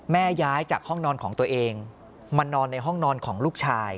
ย้ายจากห้องนอนของตัวเองมานอนในห้องนอนของลูกชาย